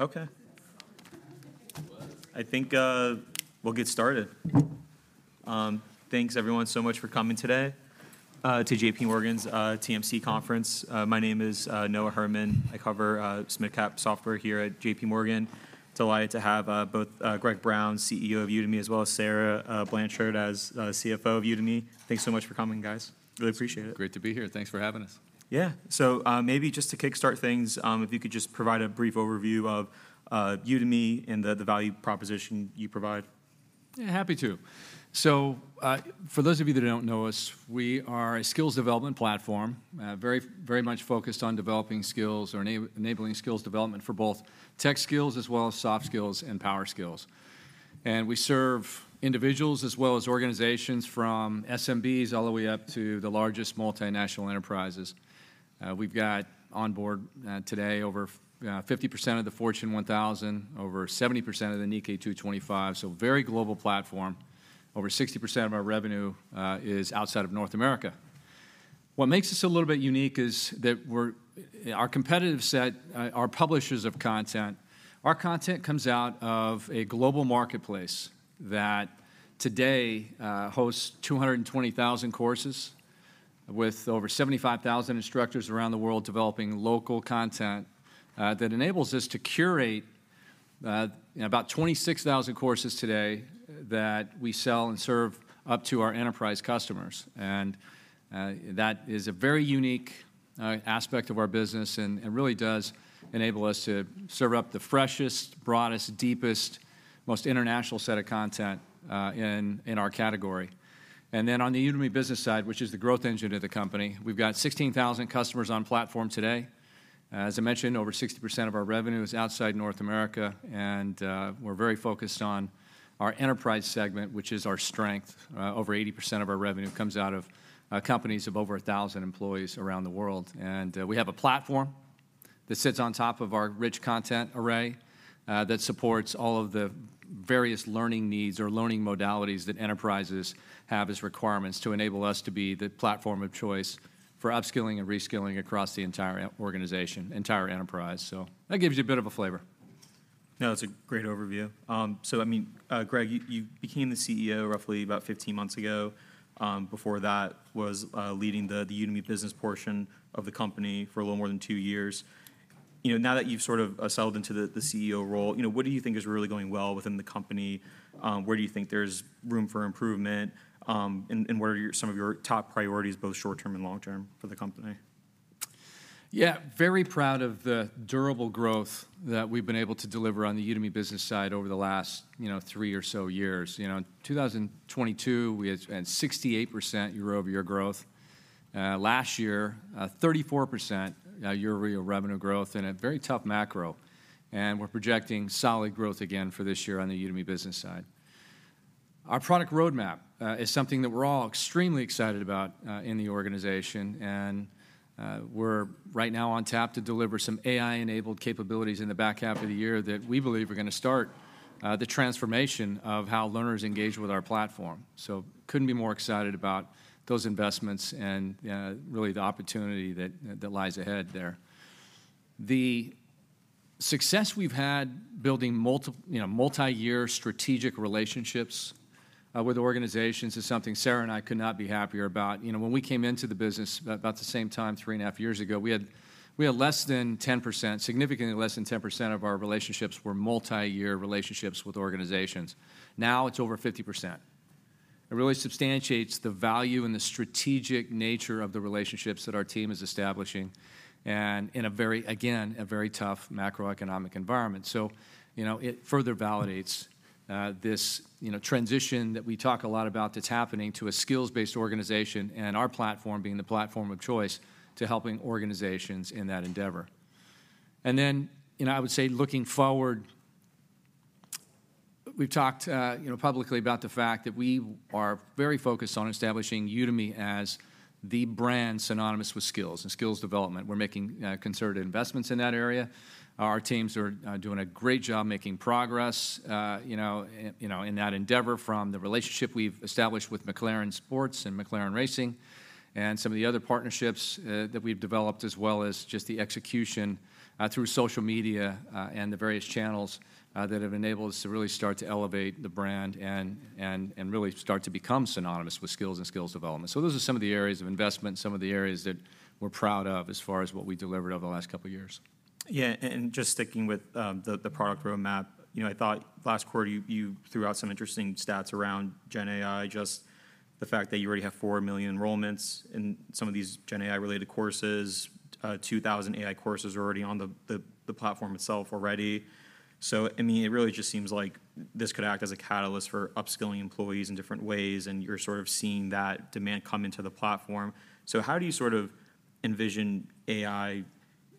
Okay. I think we'll get started. Thanks everyone so much for coming today to JPMorgan's TMC conference. My name is Noah Herman. I cover mid-cap software here at JPMorgan. Delighted to have both Greg Brown, CEO of Udemy, as well as Sarah Blanchard as CFO of Udemy. Thanks so much for coming, guys. Really appreciate it. Great to be here. Thanks for having us. Yeah. So, maybe just to kickstart things, if you could just provide a brief overview of Udemy and the value proposition you provide? Yeah, happy to. So, for those of you that don't know us, we are a skills development platform, very, very much focused on developing skills or enabling skills development for both tech skills as well as soft skills and power skills. We serve individuals as well as organizations, from SMBs all the way up to the largest multinational enterprises. We've got on board today over 50% of the Fortune 1000, over 70% of the Nikkei 225, so a very global platform. Over 60% of our revenue is outside of North America. What makes us a little bit unique is that we're. Our competitive set are publishers of content. Our content comes out of a global marketplace that today hosts 220,000 courses, with over 75,000 instructors around the world developing local content that enables us to curate about 26,000 courses today that we sell and serve up to our enterprise customers. That is a very unique aspect of our business and really does enable us to serve up the freshest, broadest, deepest, most international set of content in our category. Then on the Udemy Business side, which is the growth engine of the company, we've got 16,000 customers on platform today. As I mentioned, over 60% of our revenue is outside North America, and we're very focused on our enterprise segment, which is our strength. Over 80% of our revenue comes out of companies of over 1,000 employees around the world. And we have a platform that sits on top of our rich content array that supports all of the various learning needs or learning modalities that enterprises have as requirements to enable us to be the platform of choice for upskilling and reskilling across the entire organization, entire enterprise. So that gives you a bit of a flavor. No, that's a great overview. So I mean, Greg, you, you became the CEO roughly about 15 months ago. Before that, was leading the, the Udemy Business portion of the company for a little more than 2 years. You know, now that you've sort of settled into the, the CEO role, you know, what do you think is really going well within the company? Where do you think there's room for improvement, and, and what are your, some of your top priorities, both short term and long term for the company? Yeah, very proud of the durable growth that we've been able to deliver on the Udemy Business side over the last, you know, three or so years. You know, in 2022, we had 68% year-over-year growth. Last year, 34% year-over-year revenue growth in a very tough macro, and we're projecting solid growth again for this year on the Udemy Business side. Our product roadmap is something that we're all extremely excited about in the organization, and we're right now on tap to deliver some AI-enabled capabilities in the back half of the year that we believe are gonna start the transformation of how learners engage with our platform. So couldn't be more excited about those investments and really the opportunity that, that lies ahead there. The success we've had building multiple, you know, multiyear strategic relationships with organizations is something Sarah and I could not be happier about. You know, when we came into the business, about the same time, 3.5 years ago, we had less than 10%, significantly less than 10% of our relationships were multiyear relationships with organizations. Now it's over 50%. It really substantiates the value and the strategic nature of the relationships that our team is establishing, and in a very, again, a very tough macroeconomic environment. So, you know, it further validates this, you know, transition that we talk a lot about that's happening to a skills-based organization and our platform being the platform of choice to helping organizations in that endeavor. You know, I would say looking forward, we've talked, you know, publicly about the fact that we are very focused on establishing Udemy as the brand synonymous with skills and skills development. We're making concerted investments in that area. Our teams are doing a great job making progress, you know, you know, in that endeavor, from the relationship we've established with McLaren Sports and McLaren Racing and some of the other partnerships that we've developed, as well as just the execution through social media and the various channels that have enabled us to really start to elevate the brand and, and, and really start to become synonymous with skills and skills development. So those are some of the areas of investment, some of the areas that we're proud of as far as what we delivered over the last couple of years. Yeah, and just sticking with the product roadmap, you know, I thought last quarter, you threw out some interesting stats around Gen AI, just the fact that you already have 4 million enrollments in some of these Gen AI-related courses, 2,000 AI courses already on the platform itself already. So, I mean, it really just seems like this could act as a catalyst for upskilling employees in different ways, and you're sort of seeing that demand come into the platform. So how do you sort of envision AI,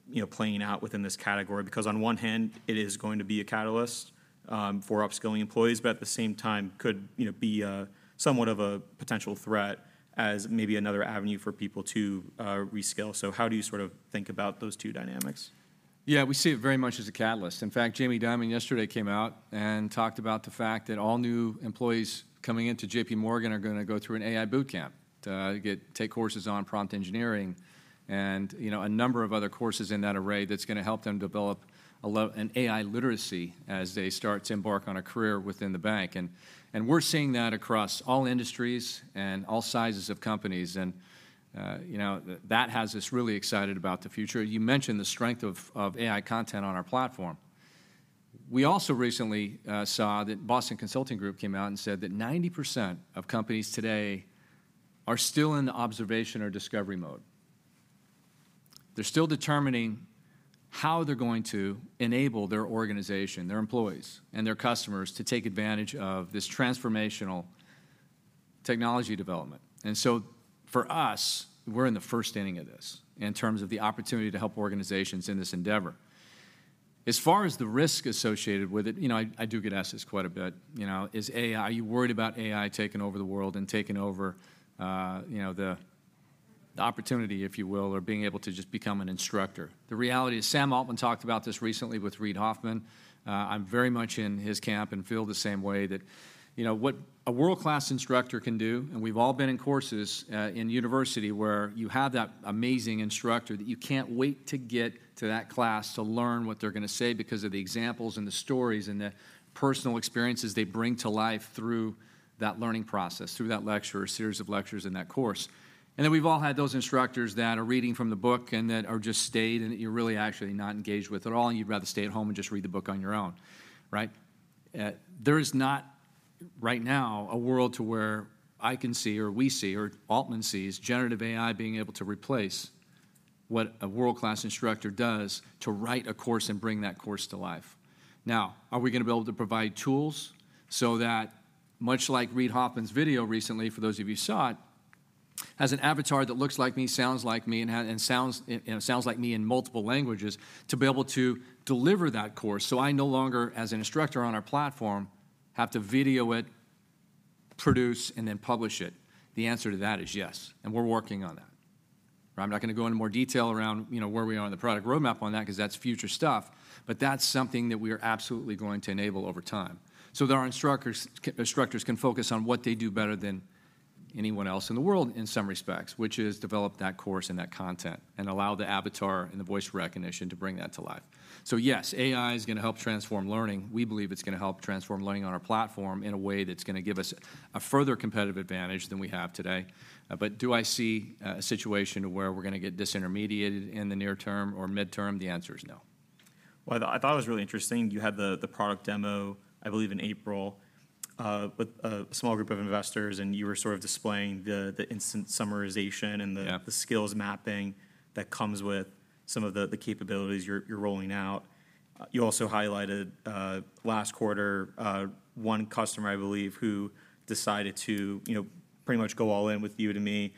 you know, playing out within this category? Because on one hand, it is going to be a catalyst for upskilling employees, but at the same time could, you know, be somewhat of a potential threat as maybe another avenue for people to reskill. How do you sort of think about those two dynamics? Yeah, we see it very much as a catalyst. In fact, Jamie Dimon yesterday came out and talked about the fact that all new employees coming into J.P. Morgan are gonna go through an AI boot camp to take courses on prompt engineering and, you know, a number of other courses in that array that's gonna help them develop an AI literacy as they start to embark on a career within the bank. And we're seeing that across all industries and all sizes of companies, and you know, that has us really excited about the future. You mentioned the strength of AI content on our platform. We also recently saw that Boston Consulting Group came out and said that 90% of companies today are still in the observation or discovery mode. They're still determining how they're going to enable their organization, their employees, and their customers to take advantage of this transformational technology development. And so, for us, we're in the first inning of this in terms of the opportunity to help organizations in this endeavor. As far as the risk associated with it, you know, I do get asked this quite a bit: "You know, is AI are you worried about AI taking over the world and taking over, you know, the opportunity," if you will, "or being able to just become an instructor?" The reality is, Sam Altman talked about this recently with Reid Hoffman. I'm very much in his camp and feel the same way, that, you know, what a world-class instructor can do, and we've all been in courses, in university, where you have that amazing instructor that you can't wait to get to that class to learn what they're gonna say because of the examples and the stories and the personal experiences they bring to life through that learning process, through that lecture or series of lectures in that course. And then we've all had those instructors that are reading from the book and that are just staid, and that you're really actually not engaged with at all, and you'd rather stay at home and just read the book on your own, right? There is not right now a world to where I can see, or we see, or Altman sees generative AI being able to replace what a world-class instructor does to write a course and bring that course to life. Now, are we gonna be able to provide tools so that, much like Reid Hoffman's video recently, for those of you who saw it, has an avatar that looks like me, sounds like me, and sounds like me in multiple languages, to be able to deliver that course so I no longer, as an instructor on our platform, have to video it, produce, and then publish it? The answer to that is yes, and we're working on that. I'm not gonna go into more detail around, you know, where we are on the product roadmap on that, 'cause that's future stuff, but that's something that we are absolutely going to enable over time so that our instructors can focus on what they do better than anyone else in the world, in some respects, which is develop that course and that content and allow the avatar and the voice recognition to bring that to life. So yes, AI is gonna help transform learning. We believe it's gonna help transform learning on our platform in a way that's gonna give us a further competitive advantage than we have today. But do I see a situation to where we're gonna get disintermediated in the near term or midterm? The answer is no. Well, I thought it was really interesting, you had the product demo, I believe in April, with a small group of investors, and you were sort of displaying the instant summarization yeah and the skills mapping that comes with some of the capabilities you're rolling out. You also highlighted last quarter one customer, I believe, who decided to, you know, pretty much go all in with Udemy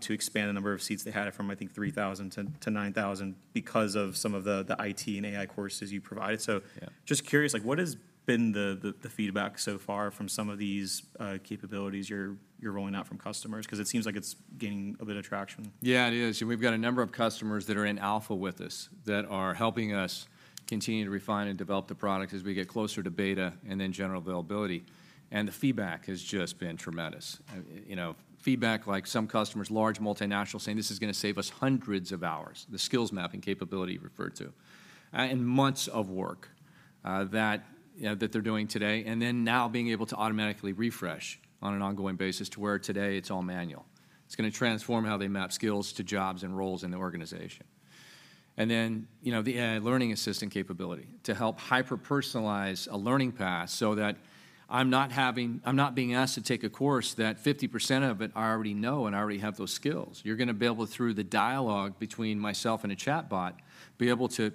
to expand the number of seats they had from, I think, 3,000-9,000 because of some of the IT and AI courses you provided. Yeah. So just curious, like, what has been the feedback so far from some of these capabilities you're rolling out from customers? 'Cause it seems like it's gaining a bit of traction. Yeah, it is, and we've got a number of customers that are in alpha with us, that are helping us continue to refine and develop the product as we get closer to beta and then general availability, and the feedback has just been tremendous. You know, feedback like some customers, large multinationals, saying, "This is gonna save us hundreds of hours," the skills mapping capability you referred to, and months of work that they're doing today, and then now being able to automatically refresh on an ongoing basis, to where today it's all manual. It's gonna transform how they map skills to jobs and roles in the organization. And then, you know, the learning assistant capability to help hyper-personalize a learning path so that I'm not having- I'm not being asked to take a course that 50% of it I already know and I already have those skills. You're gonna be able, through the dialogue between myself and a chatbot, be able to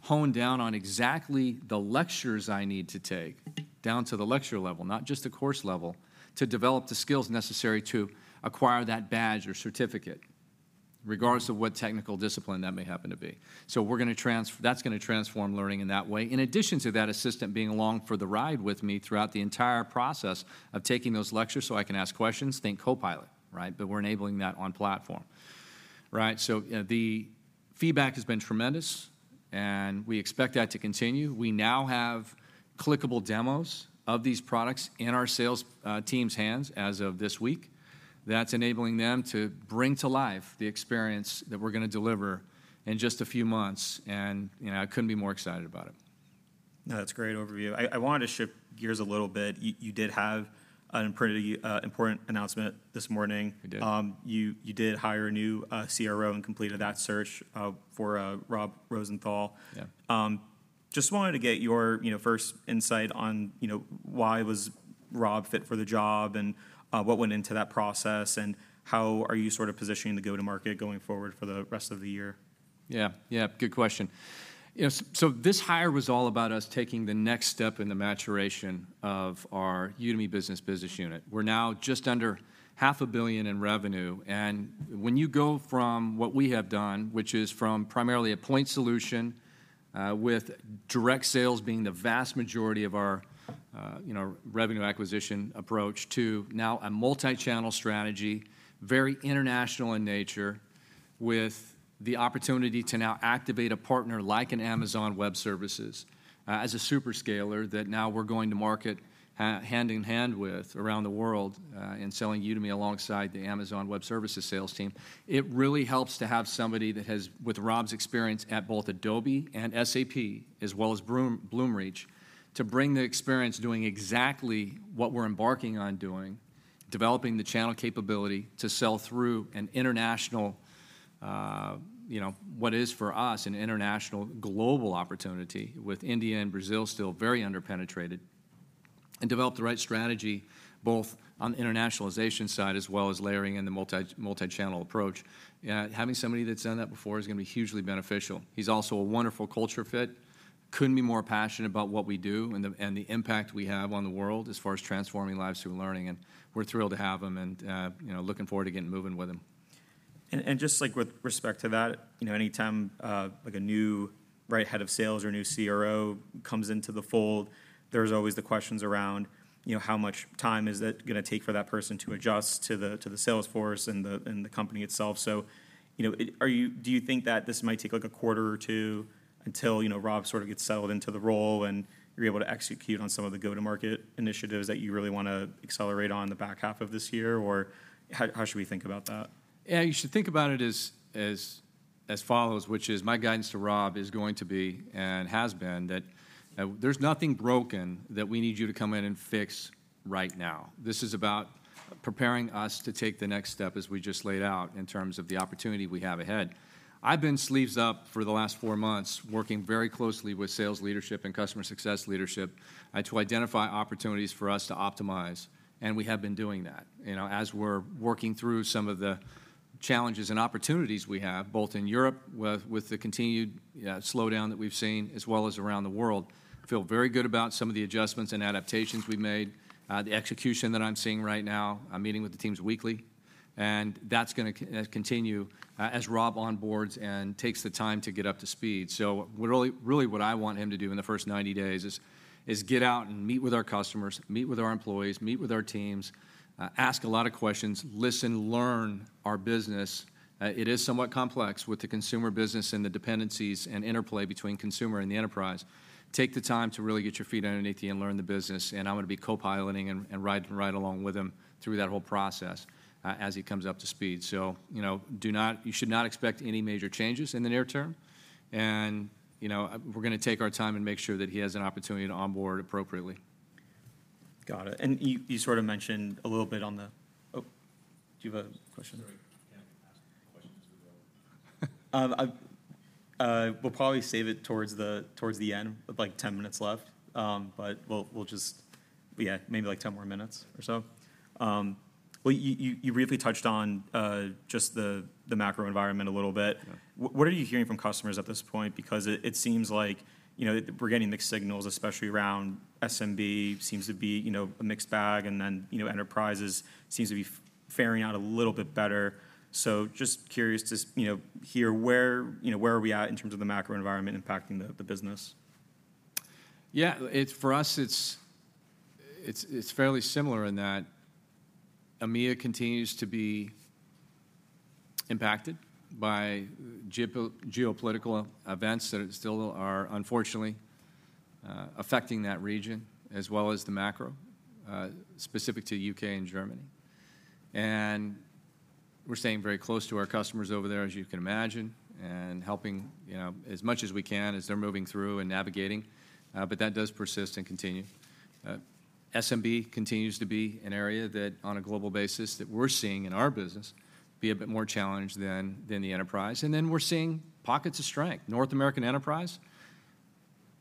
hone down on exactly the lectures I need to take, down to the lecture level, not just the course level, to develop the skills necessary to acquire that badge or certificate, regardless of what technical discipline that may happen to be. So we're gonna that's gonna transform learning in that way, in addition to that assistant being along for the ride with me throughout the entire process of taking those lectures so I can ask questions. Think Copilot, right? But we're enabling that on platform, right? So, the feedback has been tremendous, and we expect that to continue. We now have clickable demos of these products in our sales team's hands as of this week. That's enabling them to bring to life the experience that we're gonna deliver in just a few months, and, you know, I couldn't be more excited about it. No, that's a great overview. I wanted to shift gears a little bit. You did have a pretty important announcement this morning. We did. You, you did hire a new CRO and completed that search for Rob Rosenthal. Yeah. Just wanted to get your, you know, first insight on, you know, why was Rob fit for the job, and, what went into that process, and how are you sort of positioning the go-to-market going forward for the rest of the year? Yeah, yeah, good question. You know, so this hire was all about us taking the next step in the maturation of our Udemy Business business unit. We're now just under $500 million in revenue, and when you go from what we have done, which is from primarily a point solution, with direct sales being the vast majority of our, you know, revenue acquisition approach, to now a multi-channel strategy, very international in nature, with the opportunity to now activate a partner like an Amazon Web Services, as a super scaler, that now we're going to market hand in hand with around the world, and selling Udemy alongside the Amazon Web Services sales team. It really helps to have somebody that has, with Rob's experience at both Adobe and SAP, as well as Bloomreach, to bring the experience doing exactly what we're embarking on doing, developing the channel capability to sell through an international, you know, what is for us, an international global opportunity, with India and Brazil still very under-penetrated, and develop the right strategy, both on the internationalization side, as well as layering in the multi-channel approach. Having somebody that's done that before is going to be hugely beneficial. He's also a wonderful culture fit, couldn't be more passionate about what we do and the, and the impact we have on the world as far as transforming lives through learning, and we're thrilled to have him and, you know, looking forward to getting moving with him. Just, like, with respect to that, you know, anytime, like, a new right head of sales or new CRO comes into the fold, there's always the questions around, you know, how much time is it going to take for that person to adjust to the sales force and the company itself. So, you know, do you think that this might take, like, a quarter or two until, you know, Rob sort of gets settled into the role, and you're able to execute on some of the go-to-market initiatives that you really want to accelerate on the back half of this year? Or how should we think about that? Yeah, you should think about it as follows, which is my guidance to Rob is going to be, and has been, that, "There's nothing broken that we need you to come in and fix right now." This is about preparing us to take the next step, as we just laid out, in terms of the opportunity we have ahead. I've been sleeves up for the last four months, working very closely with sales leadership and customer success leadership, to identify opportunities for us to optimize, and we have been doing that. You know, as we're working through some of the challenges and opportunities we have, both in Europe, with the continued slowdown that we've seen, as well as around the world, I feel very good about some of the adjustments and adaptations we've made, the execution that I'm seeing right now. I'm meeting with the teams weekly, and that's going to continue as Rob onboards and takes the time to get up to speed. So really, really what I want him to do in the first 90 days is get out and meet with our customers, meet with our employees, meet with our teams, ask a lot of questions, listen, learn our business. It is somewhat complex with the consumer business and the dependencies and interplay between consumer and the enterprise. Take the time to really get your feet underneath you and learn the business, and I'm going to be co-piloting and, and ride, ride along with him through that whole process as he comes up to speed. So, you know, you should not expect any major changes in the near term and, you know, we're going to take our time and make sure that he has an opportunity to onboard appropriately. Got it, and you sort of mentioned a little bit on the... Oh, do you have a question? Sorry, can I ask questions as we go? We'll probably save it towards the end, with like 10 minutes left. But we'll just. Yeah, maybe like 10 more minutes or so. Well, you briefly touched on just the macro environment a little bit. Yeah. What are you hearing from customers at this point? Because it seems like, you know, we're getting mixed signals, especially around SMB seems to be, you know, a mixed bag, and then, you know, enterprises seems to be faring a little bit better. So just curious to, you know, hear where, you know, where are we at in terms of the macro environment impacting the business? Yeah, it for us, it's fairly similar in that EMEA continues to be impacted by geopolitical events that still are, unfortunately, affecting that region, as well as the macro specific to UK and Germany. And we're staying very close to our customers over there, as you can imagine, and helping, you know, as much as we can as they're moving through and navigating, but that does persist and continue. SMB continues to be an area that, on a global basis, that we're seeing in our business, be a bit more challenged than the enterprise. And then we're seeing pockets of strength. North American enterprise,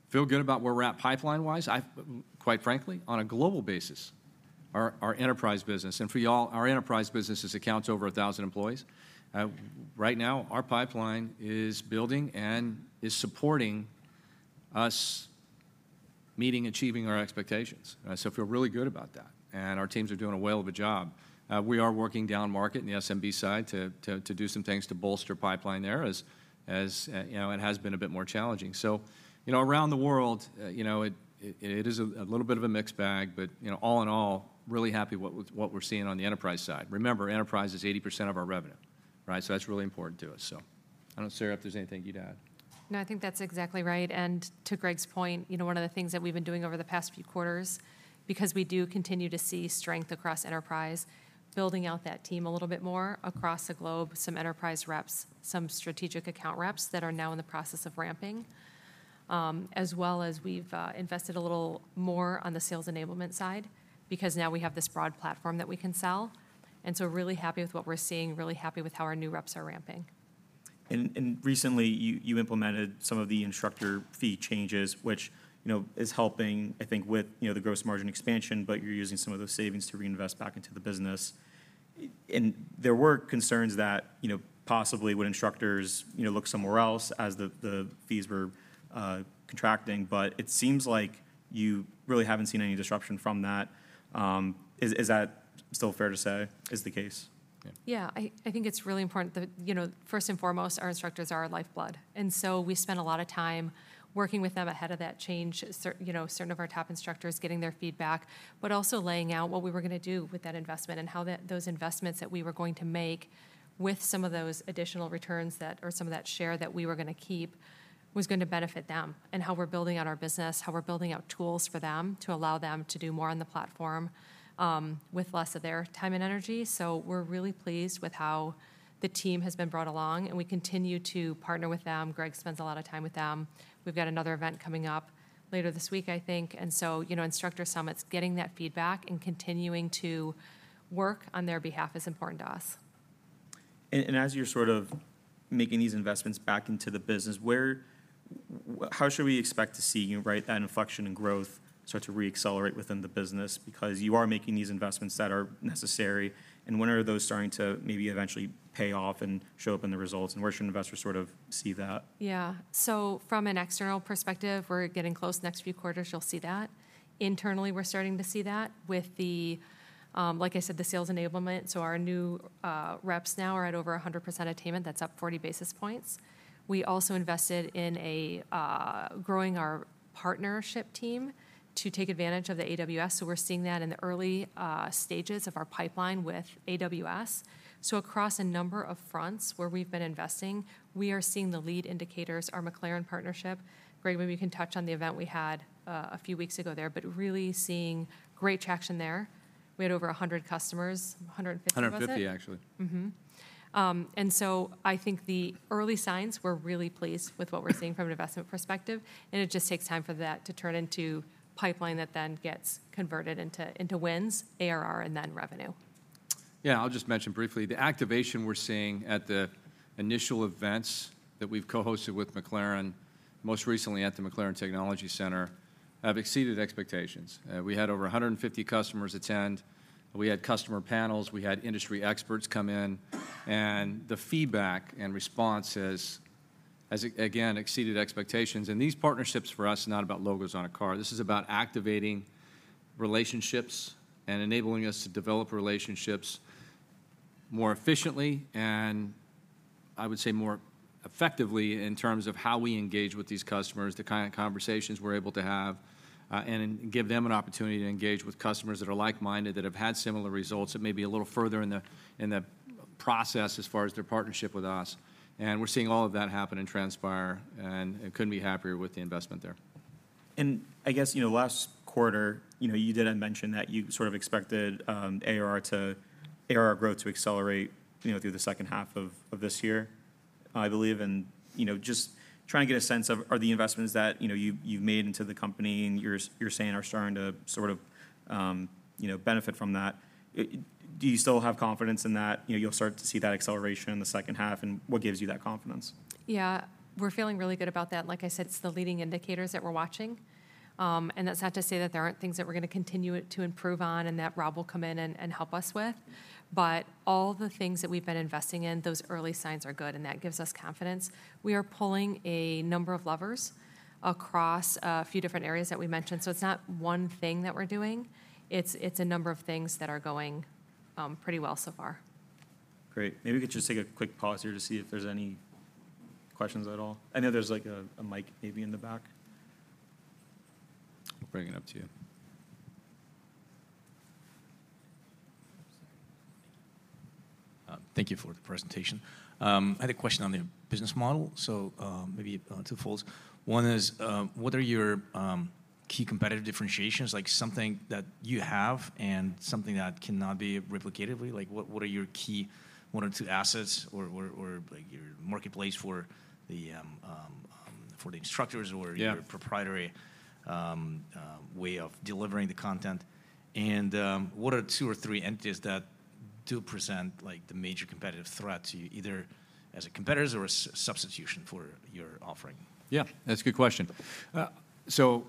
feel good about where we're at pipeline-wise. I've quite frankly, on a global basis, our enterprise business, and for y'all, our enterprise business is accounts over 1,000 employees. Right now, our pipeline is building and is supporting us meeting and achieving our expectations. So I feel really good about that, and our teams are doing a whale of a job. We are working down market in the SMB side to do some things to bolster pipeline there as you know, it has been a bit more challenging. So, you know, around the world, you know, it is a little bit of a mixed bag but, you know, all in all, really happy with what we're seeing on the enterprise side. Remember, enterprise is 80% of our revenue, right? So that's really important to us. So I don't know, Sarah, if there's anything you'd add. No, I think that's exactly right, and to Greg's point, you know, one of the things that we've been doing over the past few quarters, because we do continue to see strength across enterprise, building out that team a little bit more across the globe, some enterprise reps, some strategic account reps that are now in the process of ramping. As well as we've invested a little more on the sales enablement side because now we have this broad platform that we can sell, and so really happy with what we're seeing, really happy with how our new reps are ramping. Recently, you implemented some of the instructor fee changes, which, you know, is helping, I think, with, you know, the gross margin expansion, but you're using some of those savings to reinvest back into the business. And there were concerns that, you know, possibly would instructors, you know, look somewhere else as the, the fees were contracting, but it seems like you really haven't seen any disruption from that. Is that still fair to say is the case? Yeah, I think it's really important that, you know, first and foremost, our instructors are our lifeblood, and so we spent a lot of time working with them ahead of that change. Certain, you know, of our top instructors, getting their feedback, but also laying out what we were gonna do with that investment and how that, those investments that we were going to make with some of those additional returns that, or some of that share that we were gonna keep, was gonna benefit them. And how we're building out our business, how we're building out tools for them to allow them to do more on the platform, with less of their time and energy. So we're really pleased with how the team has been brought along, and we continue to partner with them. Greg spends a lot of time with them. We've got another event coming up later this week, I think, and so, you know, instructor summits, getting that feedback and continuing to work on their behalf is important to us. And as you're sort of making these investments back into the business, where... how should we expect to see, you know, right, that inflection in growth start to re-accelerate within the business? Because you are making these investments that are necessary, and when are those starting to maybe eventually pay off and show up in the results, and where should investors sort of see that? Yeah, so from an external perspective, we're getting close. Next few quarters, you'll see that. Internally, we're starting to see that with the, like I said, the sales enablement, so our new reps now are at over 100% attainment. That's up 40 basis points. We also invested in growing our partnership team to take advantage of the AWS, so we're seeing that in the early stages of our pipeline with AWS. So across a number of fronts where we've been investing, we are seeing the lead indicators, our McLaren partnership, Greg, maybe you can touch on the event we had a few weeks ago there, but really seeing great traction there. We had over 100 customers, 150 was it? 150, actually. And so I think the early signs, we're really pleased with what we're seeing from an investment perspective, and it just takes time for that to turn into pipeline that then gets converted into, into wins, ARR, and then revenue. Yeah, I'll just mention briefly, the activation we're seeing at the initial events that we've co-hosted with McLaren, most recently at the McLaren Technology Centre, have exceeded expectations. We had over 150 customers attend. We had customer panels. We had industry experts come in, and the feedback and response has, again, exceeded expectations. These partnerships for us are not about logos on a car. This is about activating relationships and enabling us to develop relationships more efficiently and, I would say, more effectively in terms of how we engage with these customers, the kind of conversations we're able to have, and give them an opportunity to engage with customers that are like-minded, that have had similar results that may be a little further in the process as far as their partnership with us. We're seeing all of that happen and transpire, and couldn't be happier with the investment there. I guess, you know, last quarter, you know, you did mention that you sort of expected ARR growth to accelerate, you know, through the second half of this year, I believe. You know, just trying to get a sense of, are the investments that, you know, you've made into the company and you're saying are starting to sort of, you know, benefit from that, do you still have confidence in that? You know, you'll start to see that acceleration in the second half, and what gives you that confidence? Yeah, we're feeling really good about that. Like I said, it's the leading indicators that we're watching. And that's not to say that there aren't things that we're gonna continue to improve on and that Rob will come in and help us with, but all the things that we've been investing in, those early signs are good, and that gives us confidence. We are pulling a number of levers across a few different areas that we mentioned, so it's not one thing that we're doing. It's a number of things that are going pretty well so far. Great. Maybe we could just take a quick pause here to see if there's any questions at all. I know there's, like, a mic maybe in the back. We'll bring it up to you. Thank you for the presentation. I had a question on the business model, so, maybe, twofolds. One is: what are your key competitive differentiations, like, something that you have and something that cannot be replicated easily? Like, what are your key one or two assets or, like, your marketplace for the instructors Yeah or your proprietary way of delivering the content? And, what are two or three entities that do present, like, the major competitive threat to you, either as a competitor or a substitution for your offering? Yeah, that's a good question. So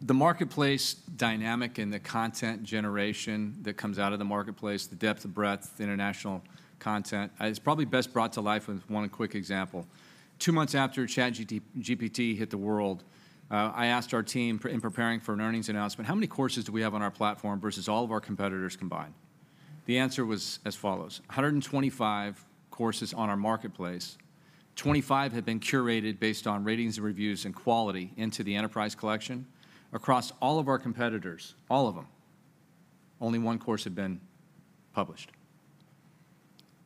the marketplace dynamic and the content generation that comes out of the marketplace, the depth, the breadth, the international content, it's probably best brought to life with one quick example. two months after ChatGPT hit the world, I asked our team in preparing for an earnings announcement, "How many courses do we have on our platform versus all of our competitors combined?" The answer was as follows: 125 courses on our marketplace, 25 had been curated based on ratings and reviews and quality into the enterprise collection. Across all of our competitors, all of them, only 1 course had been published.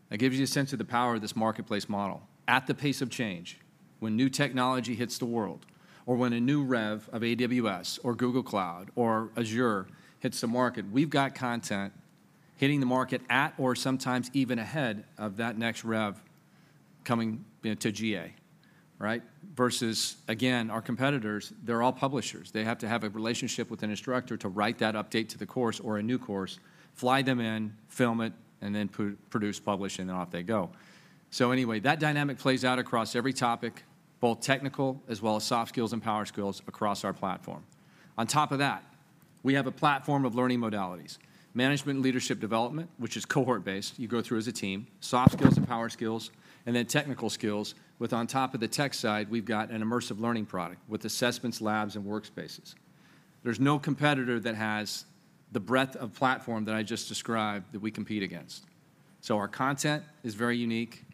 That gives you a sense of the power of this marketplace model. At the pace of change, when new technology hits the world, or when a new rev of AWS or Google Cloud or Azure hits the market, we've got content hitting the market at or sometimes even ahead of that next rev coming, you know, to GA, right? Versus, again, our competitors, they're all publishers. They have to have a relationship with an instructor to write that update to the course or a new course, fly them in, film it, and then produce, publish, and then off they go. So anyway, that dynamic plays out across every topic, both technical as well as soft skills and power skills across our platform. On top of that, we have a platform of learning modalities, management and leadership development, which is cohort-based, you go through as a team, soft skills and power skills, and then technical skills, with on top of the tech side, we've got an immersive learning product with assessments, labs, and workspaces. There's no competitor that has the breadth of platform that I just described that we compete against. So our content is very unique,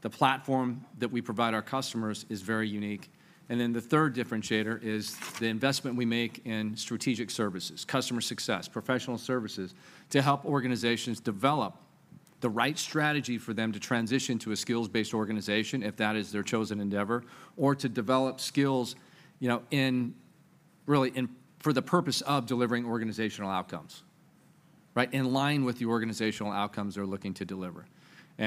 the platform that we provide our customers is very unique, and then the third differentiator is the investment we make in strategic services, customer success, professional services, to help organizations develop the right strategy for them to transition to a skills-based organization, if that is their chosen endeavor, or to develop skills, you know, in really, in for the purpose of delivering organizational outcomes, right? In line with the organizational outcomes they're looking to deliver. We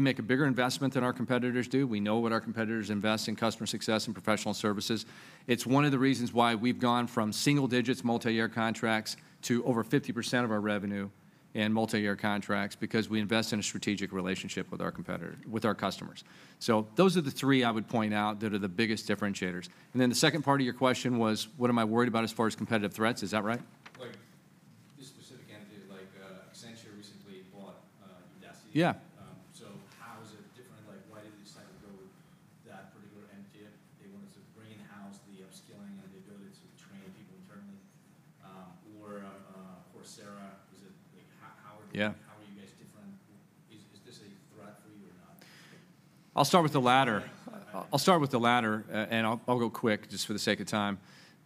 make a bigger investment than our competitors do. We know what our competitors invest in customer success and professional services. It's one of the reasons why we've gone from single digits multi-year contracts to over 50% of our revenue in multi-year contracts, because we invest in a strategic relationship with our competitor with our customers. So those are the three I would point out that are the biggest differentiators. And then the second part of your question was, what am I worried about as far as competitive threats? Is that right? Like, the specific entity, like, Accenture recently bought Udacity. Yeah. So how is it different? Like, why did they decide to go that particular entity? They wanted to greenhouse the upskilling and the ability to train people internally, or Coursera. Is it, like, how- Yeah how are you guys different? Is this a threat for you or not? I'll start with the latter. Okay. I'll start with the latter, and I'll go quick, just for the sake of time.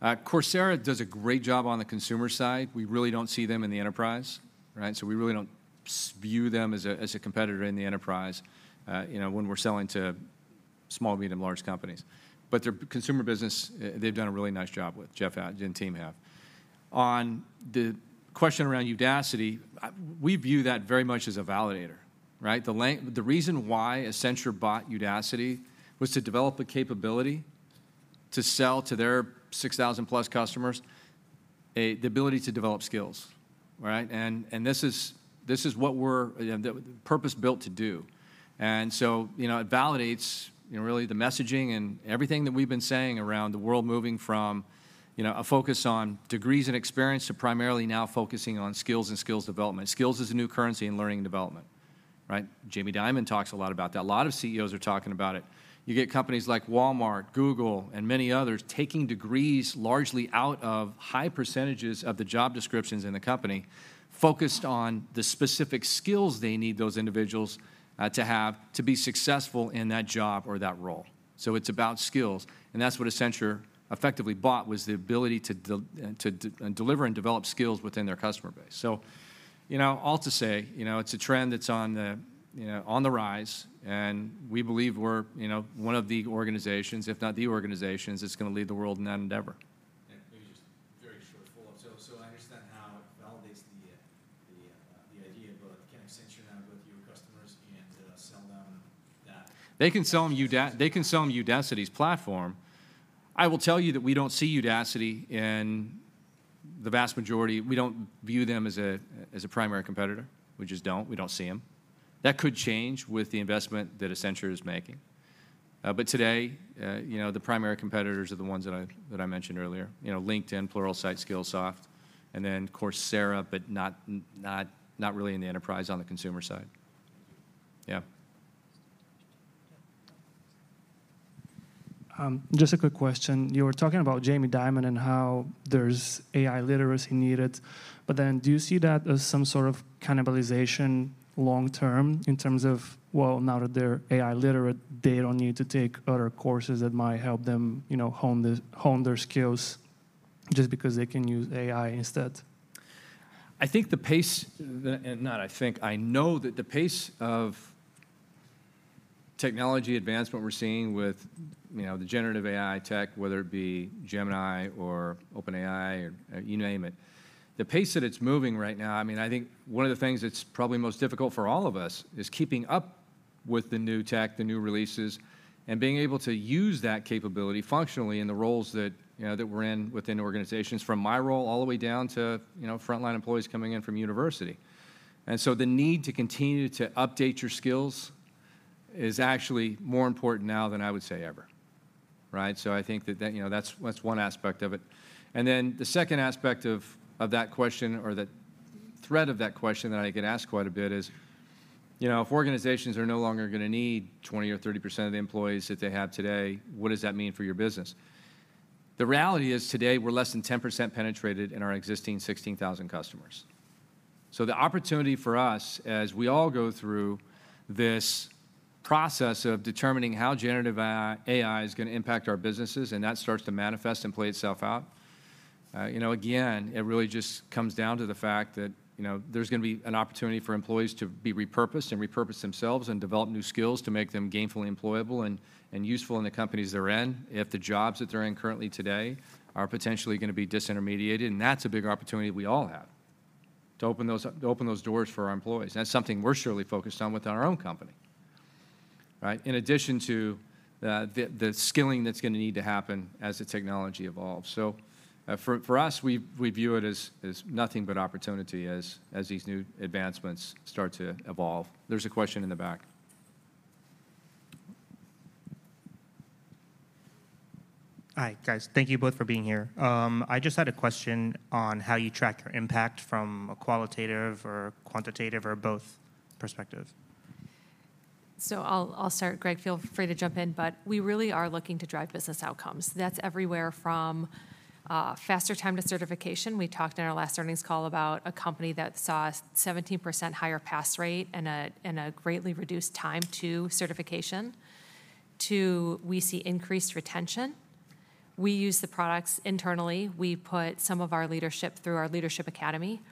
Coursera does a great job on the consumer side. We really don't see them in the enterprise, right? So we really don't view them as a competitor in the enterprise, you know, when we're selling to small, medium, large companies. But their consumer business, they've done a really nice job with, Jeff and team have. On the question around Udacity, we view that very much as a validator, right? The reason why Accenture bought Udacity was to develop the capability to sell to their 6,000+ customers, the ability to develop skills, right? And this is what we're purpose-built to do. And so, you know, it validates, you know, really the messaging and everything that we've been saying around the world moving from, you know, a focus on degrees and experience to primarily now focusing on skills and skills development. Skills is the new currency in learning and development, right? Jamie Dimon talks a lot about that. A lot of CEOs are talking about it. You get companies like Walmart, Google, and many others taking degrees largely out of high percentages of the job descriptions in the company focused on the specific skills they need those individuals to have to be successful in that job or that role. So it's about skills, and that's what Accenture effectively bought, was the ability to deliver and develop skills within their customer base. So, you know, all to say, you know, it's a trend that's on the, you know, on the rise, and we believe we're, you know, one of the organizations, if not the organizations, that's gonna lead the world in that endeavor. Yeah, maybe just very short follow-up. So, so I understand how it validates the, the, the idea about, can Accenture now go to your customers and, sell them that? They can sell them Udacity's platform. I will tell you that we don't see Udacity in the vast majority. We don't view them as a primary competitor. We just don't. We don't see them. That could change with the investment that Accenture is making. But today, you know, the primary competitors are the ones that I mentioned earlier. You know, LinkedIn, Pluralsight, Skillsoft, and then Coursera, but not really in the enterprise, on the consumer side. Thank you. Yeah. Just a quick question. You were talking about Jamie Dimon and how there's AI literacy needed, but then do you see that as some sort of cannibalization long term, in terms of, well, now that they're AI literate, they don't need to take other courses that might help them, you know, hone their, hone their skills just because they can use AI instead? I know that the pace of technology advancement we're seeing with, you know, the Generative AI tech, whether it be Gemini or OpenAI or, you name it, the pace that it's moving right now, I mean, I think one of the things that's probably most difficult for all of us is keeping up with the new tech, the new releases, and being able to use that capability functionally in the roles that, you know, that we're in within organizations, from my role all the way down to, you know, frontline employees coming in from university. And so the need to continue to update your skills is actually more important now than I would say ever, right? So I think that, you know, that's one aspect of it. And then the second aspect of, of that question, or the thread of that question that I get asked quite a bit is, you know, if organizations are no longer gonna need 20% or 30% of the employees that they have today, what does that mean for your business? The reality is, today, we're less than 10% penetrated in our existing 16,000 customers. So the opportunity for us, as we all go through this process of determining how generative AI, AI is gonna impact our businesses, and that starts to manifest and play itself out, you know, again, it really just comes down to the fact that, you know there's gonna be an opportunity for employees to be repurposed and repurpose themselves and develop new skills to make them gainfully employable and, and useful in the companies they're in, if the jobs that they're in currently today are potentially gonna be disintermediated. And that's a big opportunity we all have, to open those, to open those doors for our employees. That's something we're surely focused on with our own company, right? In addition to, the skilling that's gonna need to happen as the technology evolves. So, for us, we view it as nothing but opportunity as these new advancements start to evolve. There's a question in the back. Hi, guys. Thank you both for being here. I just had a question on how you track your impact from a qualitative or quantitative or both perspective? So I'll start. Greg, feel free to jump in, but we really are looking to drive business outcomes. That's everywhere from faster time to certification. We talked in our last earnings call about a company that saw a 17% higher pass rate and a greatly reduced time to certification, to we see increased retention. We use the products internally. We put some of our leadership through our Leadership Academy.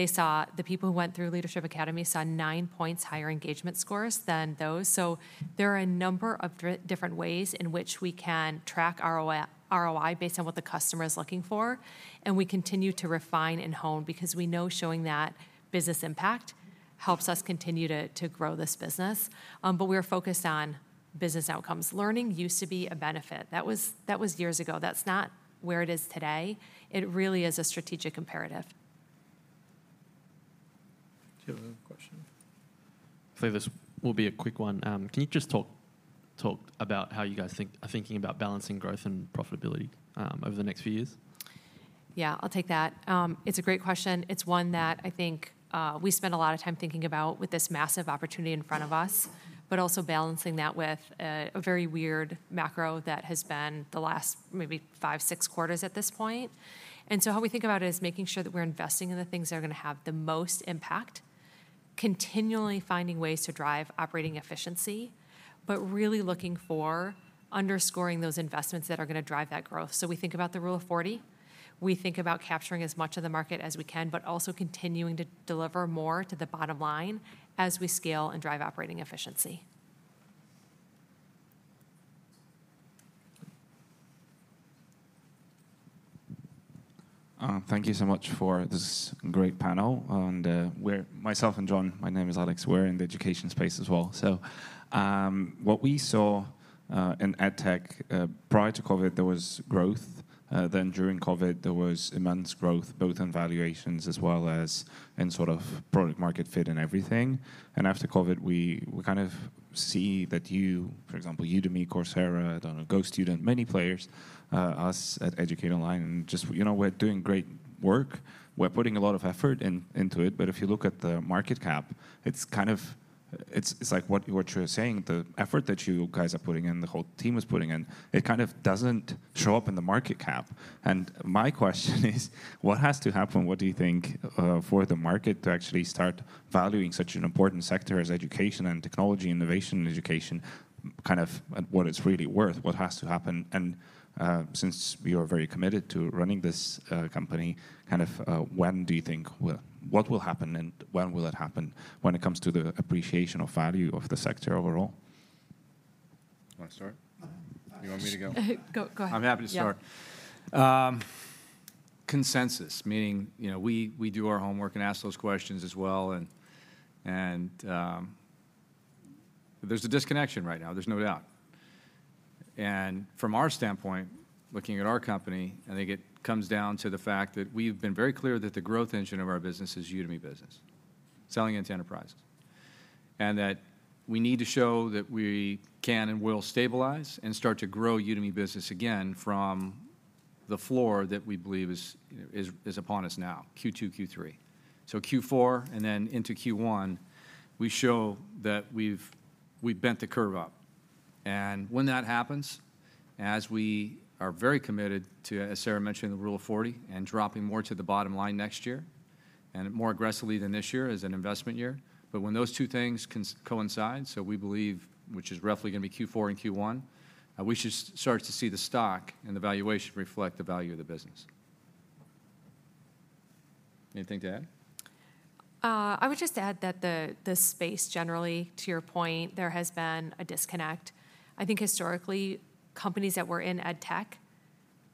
They saw the people who went through Leadership Academy saw 9 points higher engagement scores than those. So there are a number of different ways in which we can track ROI, ROI based on what the customer is looking for, and we continue to refine and hone because we know showing that business impact helps us continue to grow this business. But we're focused on business outcomes. Learning used to be a benefit. That was, that was years ago. That's not where it is today. It really is a strategic imperative. Do you have a question? I believe this will be a quick one. Can you just talk about how you guys are thinking about balancing growth and profitability over the next few years? Yeah, I'll take that. It's a great question. It's one that I think, we spend a lot of time thinking about with this massive opportunity in front of us, but also balancing that with a very weird macro that has been the last maybe five, six quarters at this point. And so how we think about it is making sure that we're investing in the things that are gonna have the most impact, continually finding ways to drive operating efficiency, but really looking for underscoring those investments that are gonna drive that growth. So we think about the Rule of 40. We think about capturing as much of the market as we can, but also continuing to deliver more to the bottom line as we scale and drive operating efficiency. Thank you so much for this great panel, and we're myself and John, my name is Alex, we're in the education space as well. So, what we saw in edtech prior to COVID, there was growth. Then during COVID, there was immense growth, both in valuations as well as in sort of product market fit and everything. And after COVID, we kind of see that you, for example, Udemy, Coursera, I don't know, GoStudent, many players, us at Educate Online, and just, you know, we're doing great work. We're putting a lot of effort into it, but if you look at the market cap, it's kind of. It's like what you were just saying, the effort that you guys are putting in, the whole team is putting in, it kind of doesn't show up in the market cap. My question is what has to happen, what do you think, for the market to actually start valuing such an important sector as education and technology, innovation in education, kind of at what it's really worth? What has to happen? And, since you're very committed to running this company, kind of, when do you think, well, what will happen, and when will it happen when it comes to the appreciation of value of the sector overall? You wanna start? Uh, I You want me to go? Go, go ahead. I'm happy to start. Yeah. Consensus, meaning, you know, we do our homework and ask those questions as well, and there's a disconnection right now. There's no doubt. And from our standpoint, looking at our company, I think it comes down to the fact that we've been very clear that the growth engine of our business is Udemy Business, selling into enterprises, and that we need to show that we can and will stabilize and start to grow Udemy Business again from the floor that we believe is, you know, upon us now, Q2, Q3. So Q4, and then into Q1, we show that we've bent the curve up. And when that happens, as we are very committed to, as Sarah mentioned, the Rule of 40 and dropping more to the bottom line next year and more aggressively than this year as an investment year. But when those two things coincide, so we believe, which is roughly gonna be Q4 and Q1, we should start to see the stock and the valuation reflect the value of the business. Anything to add? I would just add that the space generally, to your point, there has been a disconnect. I think historically, companies that were in edtech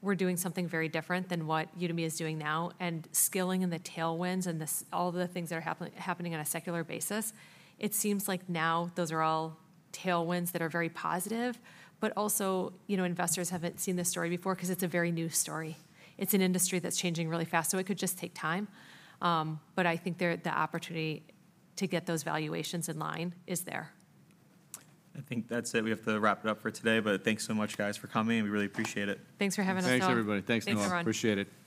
were doing something very different than what Udemy is doing now, and skilling and the tailwinds and all the things that are happening on a secular basis, it seems like now those are all tailwinds that are very positive. But also, you know, investors haven't seen this story before 'cause it's a very new story. It's an industry that's changing really fast, so it could just take time. But I think the opportunity to get those valuations in line is there. I think that's it. We have to wrap it up for today, but thanks so much, guys, for coming, and we really appreciate it. Thanks for having us, Noah. Thanks, everybody. Thanks, Noah. Thanks, everyone. Appreciate it.